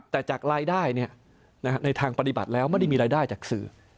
แต่จากรายได้ในทางปฏิบัติแล้วไม่ได้มีรายได้จากสื่อ